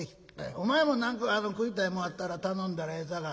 お前も何か食いたいもんあったら頼んだらええさかい。